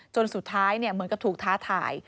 สุดท้ายเหมือนกับถูกท้าทาย